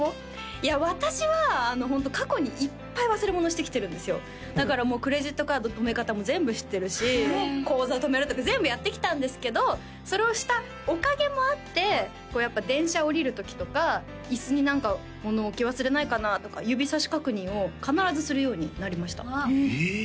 いや私はホント過去にいっぱい忘れ物してきてるんですよだからもうクレジットカード止め方も全部知ってるし口座止めるとか全部やってきたんですけどそれをしたおかげもあってこうやっぱ電車降りる時とか椅子に何か物置き忘れないかなとか指さし確認を必ずするようになりましたわあえ！